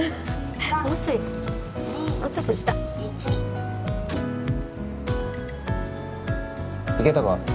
３２１もうちょいもうちょっと下いけたか？